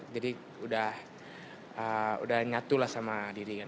jadi sudah nyatulah sama diri